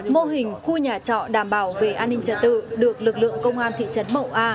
mô hình khu nhà trọ đảm bảo về an ninh trật tự được lực lượng công an thị trấn mậu a